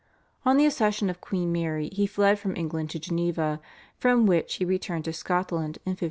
On the accession of Queen Mary he fled from England to Geneva, from which he returned to Scotland in 1555.